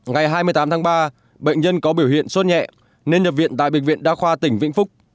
ngày hai mươi tám tháng ba bệnh nhân có biểu hiện suốt nhẹ nên nhập viện tại bệnh viện đa khoa tỉnh vĩnh phúc